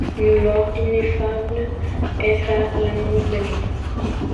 Une gloire ineffable est à l'amour mêlée.